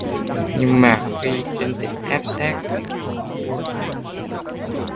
Nhưng mà khi trinh định áp sát lại người của quân